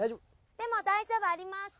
でも大丈夫あります。